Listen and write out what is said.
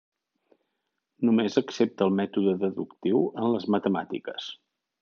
Només accepta el mètode deductiu en les matemàtiques.